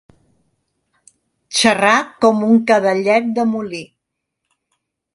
Xerrar com un cadellet de molí.